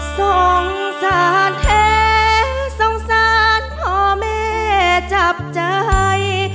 สงสารแท้สงสารพ่อแม่จับใจ